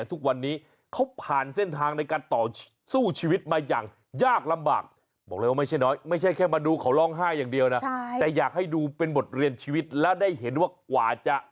ถูกต้องแต่สุดท้ายนี้ก็กลับบ้านไปนะฮะ